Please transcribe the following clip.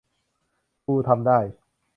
ฟูทำได้